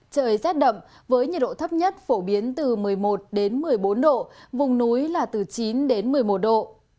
trời rét đậm với nhiệt độ thấp nhất phổ biến từ một mươi một đến một mươi bốn độ vùng núi là từ chín đến một mươi một độ